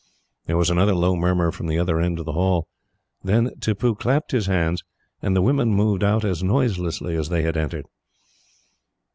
There was another low murmur from the other end of the hall. Then Tippoo clapped his hands, and the women moved out, as noiselessly as they had entered.